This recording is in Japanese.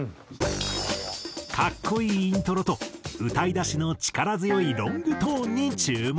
格好いいイントロと歌い出しの力強いロングトーンに注目。